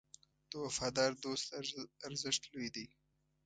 د وفادار دوست ارزښت لوی دی.